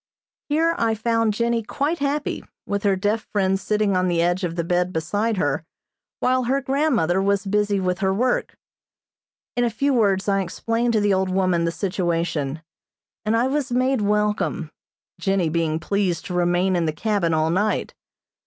Here I found Jennie quite happy, with her deaf friend sitting on the edge of the bed beside her, while her grandmother was busy with her work. In a few words I explained to the old woman the situation, and I was made welcome, Jennie being pleased to remain in the cabin all night.